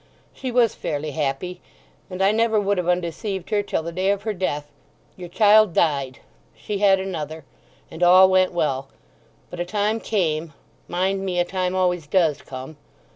She was fairly happy, and I never would have undeceived her till the day of her death. Your child died; she had another, and all went well. But a time came—mind me, a time always does come.